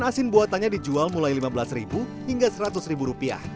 ia bisa dibuatannya dijual mulai lima belas hingga seratus rupiah